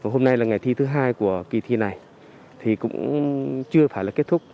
hôm nay là ngày thi thứ hai của kỳ thi này thì cũng chưa phải là kết thúc